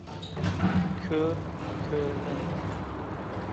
Ko'r — ko'rni.